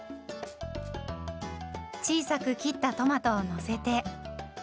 小さく切ったトマトをのせて。